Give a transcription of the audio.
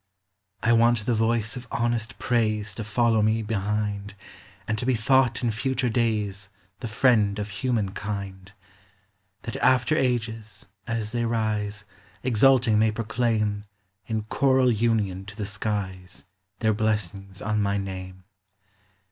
I want the voice of honest praise To follow me behind, And to be thought in future days The friend of human kind, That after ages, as they rise, Exulting may proclaim In choral union to the skies Their blessings on my name.